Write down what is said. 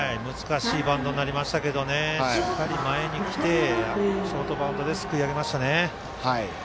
バウンド変わりましたがしっかり前に来てショートバウンドですくい上げましたね。